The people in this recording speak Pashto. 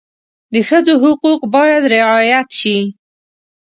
د ښځو حقوق باید رعایت شي.